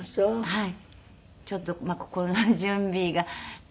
はい。